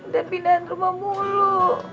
dan pindahan rumah mulu